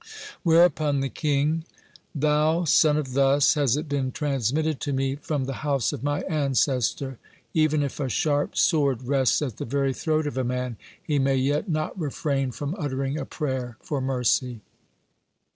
Whereupon the king: "Thou son of thus has it been transmitted to me from the house of my ancestor: (74) Even if a sharp sword rests at the very throat of a man, he may yet not refrain from uttering a prayer for mercy."